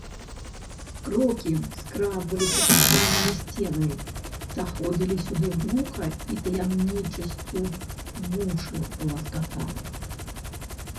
Крокі скрадваліся капітальнымі сценамі, даходзілі сюды глуха і таямнічасцю вушы ласкаталі.